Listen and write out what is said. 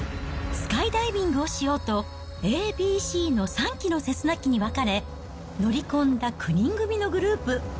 スカイダイビングをしようと、Ａ、Ｂ、Ｃの３機のセスナ機に分かれ、乗り込んだ９人組のグループ。